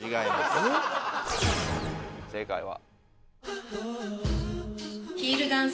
正解は。